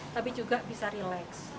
tapi juga bisa relax